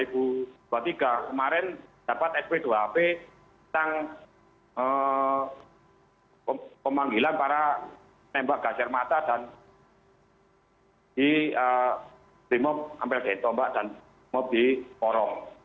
kemarin dapat sp dua ap tentang pemanggilan para penembak gajar mata dan di timop ampeldeh tombak dan mopdik